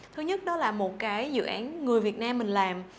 thứ nhất đó là một cái dự án người việt nam mình làm